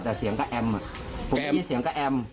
แต่เสียงก็แอมผมก็ได้ยินเสียงก็แอม